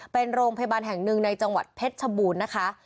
เป็นโรงพยาบาลแห่งหนึ่งในจังหวัดเพชรชบูรณ์นะคะ